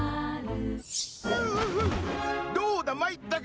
「どうだ参ったか？